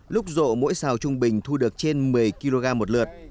lúc rộ mỗi xào trung bình thu được trên một mươi kg một lượt